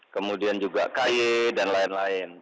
kemudian juga kaye dan lain lain